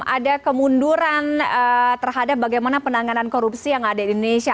ada kemunduran terhadap bagaimana penanganan korupsi yang ada di indonesia